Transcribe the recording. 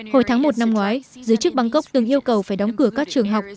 hồi tháng một năm ngoái giới chức bangkok từng yêu cầu phải đóng cửa các trường học